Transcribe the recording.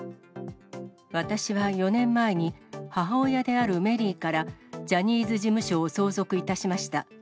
私は４年前に、母親であるメリーからジャニーズ事務所を相続いたしました。